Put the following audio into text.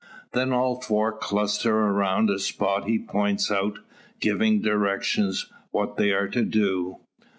Then all four cluster around a spot he points out, giving directions what they are to do.